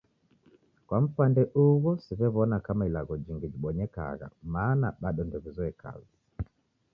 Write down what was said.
Kwa mpande ugho siwewona kama ilagho jingi jibonyekagha mana bado ndewizoe kazi